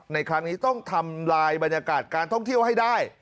ในครั้งนี้ต้องทำลายบรรยากาศการท่องเที่ยวให้ได้